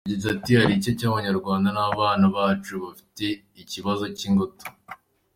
Yagize ati “Hari igice cy’Abanyarwanda n’abana bacu bafite ibibazo by’ingutu.